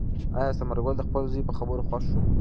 آیا ثمر ګل د خپل زوی په خبرو خوښ شو؟